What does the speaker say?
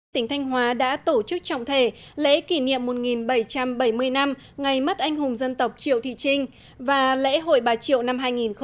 tỉnh thanh hóa đã tổ chức trọng thể lễ kỷ niệm một bảy trăm bảy mươi năm ngày mất anh hùng dân tộc triệu thị trinh và lễ hội bà triệu năm hai nghìn một mươi chín